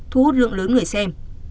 thu hút lượng lớn người xem